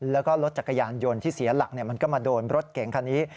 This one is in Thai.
แล้วก็รถจักรยานยนต์ที่เสียหลักมันก็มาโดนรถเก่งคันนี้